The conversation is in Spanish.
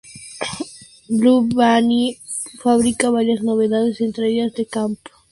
Blue Bunny fabrica varias novedades, entre ellas The Champ!